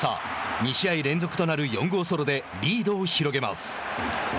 ２試合連続となる４号ソロでリードを広げます。